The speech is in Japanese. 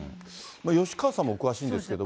吉川さんもお詳しいんですけれども。